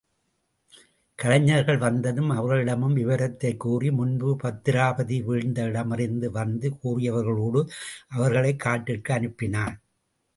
கலைஞர்கள் வந்ததும் அவர்களிடமும் விவரத்தைகூறி முன்பு பத்திராபதி வீழ்ந்த இடமறிந்து வந்து கூறியவர்களோடு அவர்களைக் காட்டிற்கு அனுப்பினான்.